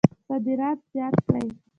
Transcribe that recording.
صادرات زیات کړئ